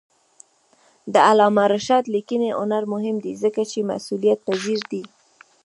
د علامه رشاد لیکنی هنر مهم دی ځکه چې مسئولیتپذیر دی.